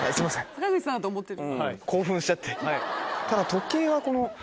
坂口さんだと思ってる？